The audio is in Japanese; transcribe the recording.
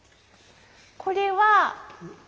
これは２。